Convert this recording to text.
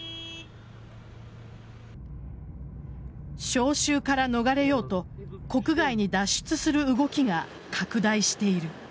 招集から逃れようと国外に脱出する動きが拡大している。